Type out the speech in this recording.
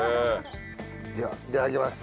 ではいただきます。